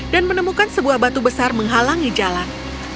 dan menemukan sebuah batu besar menghalangi jalan